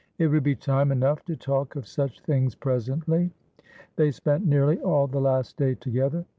It would be time enough to talk of such things presently. They spent nearly all the last day together.